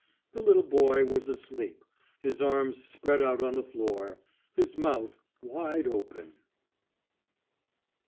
The little boy was asleep, his arms spread out on the floor, his mouth wide open.